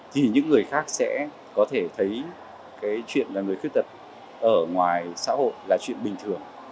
thì những người khác sẽ có thể thấy chuyện người quyết tật ở ngoài xã hội là chuyện bình thường